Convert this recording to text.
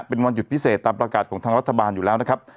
เป็นวันหยุดพิเศษตามประกาศของทางรัฐบาลอยู่แล้วนะครับ